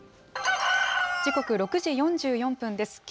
時刻６時４４分です。